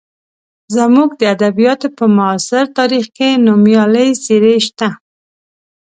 زموږ د ادبیاتو په معاصر تاریخ کې نومیالۍ څېرې شته.